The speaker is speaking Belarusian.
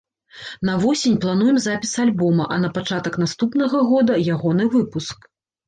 На восень плануем запіс альбома, а на пачатак наступнага года ягоны выпуск.